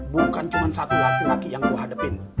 bukan cuma satu laki laki yang gue hadapin